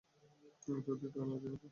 অর্থাৎ অতিরিক্ত কান্নাকাটির ফলে।